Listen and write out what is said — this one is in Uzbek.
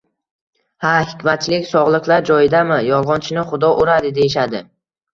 Ha, Hikmatchik, sogʻliklar joyidami? Yolgʻonchini Xudo uradi, deyishardi.